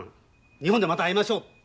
日本でまた会いましょう」